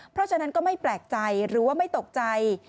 เพราะฉะนั้นก็ไม่แปลกใจหรือว่าไม่ตกใจ